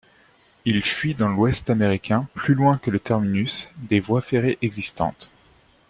Il fuit dans l'ouest américain plus loin que le terminus des voies ferrées existantes.